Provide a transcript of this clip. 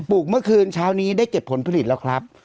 เมื่อคืนเช้านี้ได้เก็บผลผลิตแล้วครับ